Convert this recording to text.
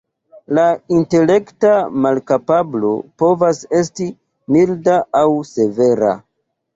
La intelekta malkapablo povas esti milda aŭ severa.